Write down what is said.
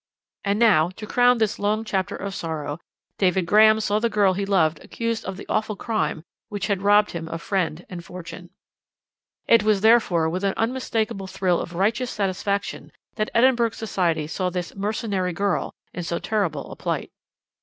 And now to crown this long chapter of sorrow David Graham saw the girl he loved accused of the awful crime which had robbed him of friend and fortune. "It was, therefore, with an unmistakable thrill of righteous satisfaction that Edinburgh society saw this 'mercenary girl' in so terrible a plight.